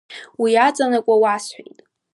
Уи иаҵанакуа уасҳәеит.